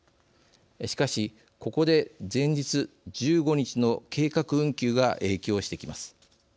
しかし、ここで前日１５日の計画運休が影響してきます。